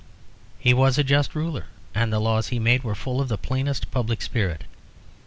He was a just ruler, and the laws he made were full of the plainest public spirit.